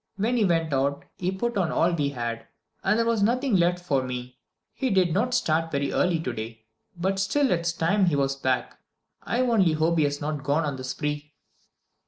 When he went out he put on all we had, and there was nothing left for me. He did not start very early today, but still it's time he was back. I only hope he has not gone on the spree!"